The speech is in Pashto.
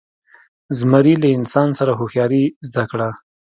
زمري له انسان څخه هوښیاري زده کړه.